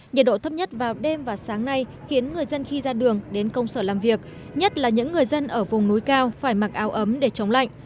nhiệt độ thấp nhất vào đêm và sáng nay khiến người dân khi ra đường đến công sở làm việc nhất là những người dân ở vùng núi cao phải mặc áo ấm để chống lạnh